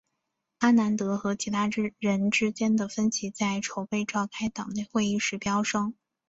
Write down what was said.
阿南德和其他人之间的分歧在筹备召开党内会议时飙升。